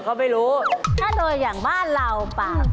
แกจะเข้างานนี่หรือ